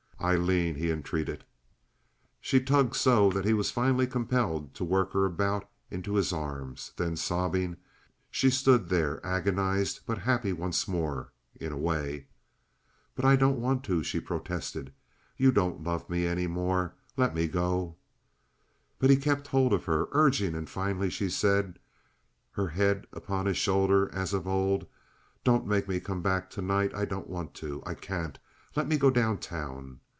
"Aileen!" he entreated. She tugged so that he was finally compelled to work her about into his arms; then, sobbing, she stood there agonized but happy once more, in a way. "But I don't want to," she protested. "You don't love me any more. Let me go." But he kept hold of her, urging, and finally she said, her head upon his shoulder as of old, "Don't make me come back to night. I don't want to. I can't. Let me go down town.